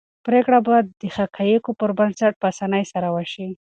پرېکړه به د حقایقو پر بنسټ په اسانۍ سره وشي.